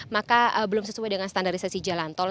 maka belum sesuai dengan standarisasi jalan tol